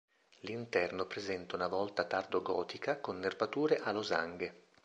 L'interno presenta una volta tardogotica con nervature a losanghe.